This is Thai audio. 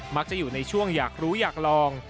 จะอยู่ในช่วงอยากรู้อยากลอง